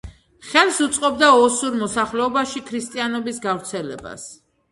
ხელს უწყობდა ოსურ მოსახლეობაში ქრისტიანობის გავრცელებას.